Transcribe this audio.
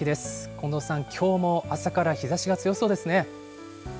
近藤さん、きょうも朝から日ざしが強そうですね。